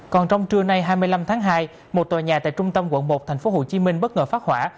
còn trong trưa nay hai mươi năm tháng hai một tòa nhà tại trung tâm quận một tp hcm bất ngờ phát hỏa